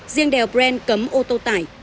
riêng đèo bren cấm ô tô tải